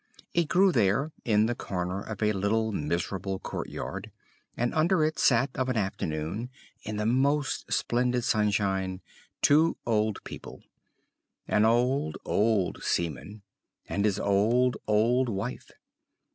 It grew there in the corner of a little miserable court yard; and under it sat, of an afternoon, in the most splendid sunshine, two old people; an old, old seaman, and his old, old wife.